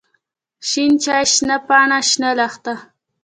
شين چای، شنه پاڼه، شنه لښته.